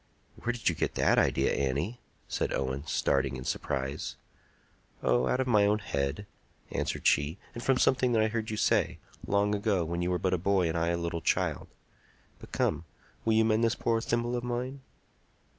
"Where did you get that idea, Annie?" said Owen, starting in surprise. "Oh, out of my own head," answered she, "and from something that I heard you say, long ago, when you were but a boy and I a little child. But come, will you mend this poor thimble of mine?"